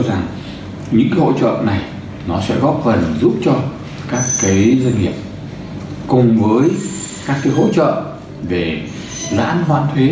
rằng những hỗ trợ này nó sẽ góp phần giúp cho các doanh nghiệp cùng với các hỗ trợ về lãng hoạn thuế